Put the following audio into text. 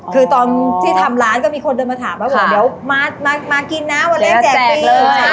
คือตอนที่ทำร้านก็มีคนเดินมาถามว่าเดี๋ยวมากินนะวันแรกแจกฟรีเลย